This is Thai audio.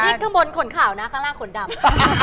นี่ข้างบนขนขาวนะข้างล่างขนดำ